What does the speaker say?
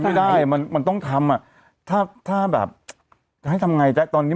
ไม่ได้มันมันต้องทำอ่ะถ้าถ้าแบบจะให้ทำไงแจ๊คตอนนี้